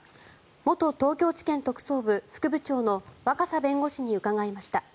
元東京地検特捜部副部長の若狭弁護士に伺いました。